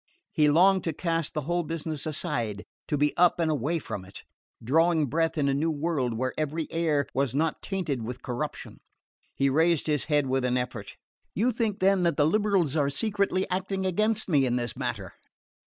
He longed to cast the whole business aside, to be up and away from it, drawing breath in a new world where every air was not tainted with corruption. He raised his head with an effort. "You think, then, that the liberals are secretly acting against me in this matter?"